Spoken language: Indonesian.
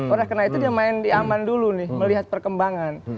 oleh karena itu dia main di aman dulu nih melihat perkembangan